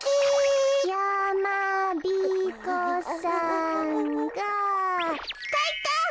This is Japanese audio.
やまびこさんがかいか！